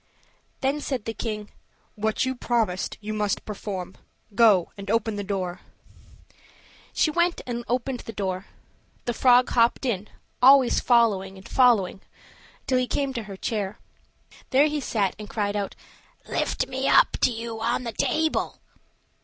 Then said the king, "What you promised you must perform. Go and open the door." She went and opened the door; the frog hopped in, always following and following her till he came up to her chair. There he sat and cried out, "Lift me up to you on the table."